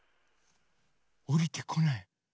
おりてこない。